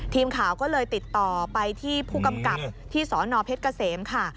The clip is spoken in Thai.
ทีมข่าวก็เลยติดต่อไปที่ผู้กำกับที่สนเพชรเกษมค่ะ